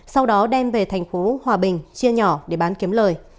sau đó đem về thành phố hòa bình chia nhỏ để bán kiếm lời